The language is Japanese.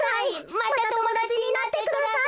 またともだちになってください。